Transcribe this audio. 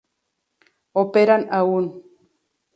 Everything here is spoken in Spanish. Operan aun.